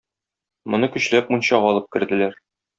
Моны көчләп мунчага алып керделәр.